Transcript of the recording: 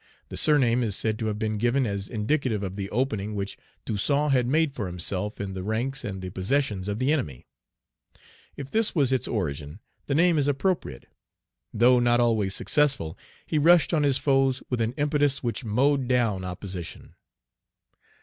The surname is said to have been given as indicative of the opening which Toussaint had made for himself in the ranks and the possessions of the enemy. If this was its origin, the name is appropriate. Though not always successful, he rushed on his foes with an impetus which mowed down opposition.